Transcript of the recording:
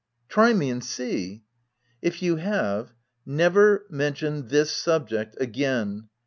w Try me, and see I? "If you have — never mention this subject again.